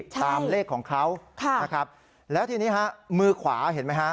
ตามเลขของเขานะครับแล้วทีนี้ฮะมือขวาเห็นไหมฮะ